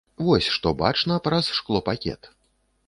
Вось што бачна праз шклопакет.